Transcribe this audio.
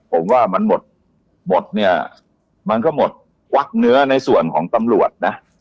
ผมว่ามันหมดหมดเนี่ยมันก็หมดวักเนื้อในส่วนของตำรวจนะ